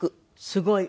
すごい。